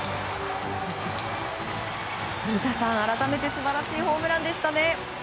古田さん、改めて素晴らしいホームランでしたね。